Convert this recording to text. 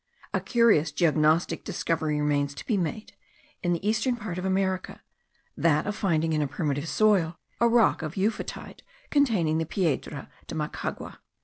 A curious geognostic discovery remains to be made in the eastern part of America, that of finding in a primitive soil a rock of euphotide containing the piedra de Macagua.